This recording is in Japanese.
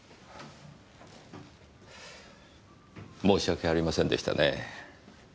申し訳ありませんでしたね。